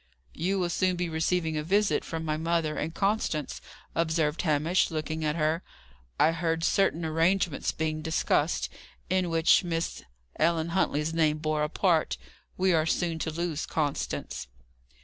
"You will soon be receiving a visit from my mother and Constance," observed Hamish, looking at her. "I heard certain arrangements being discussed, in which Miss Ellen Huntley's name bore a part. We are soon to lose Constance."